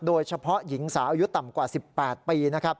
โดยเฉพาะหญิงสาวอายุต่ำกว่า๑๘ปีนะครับ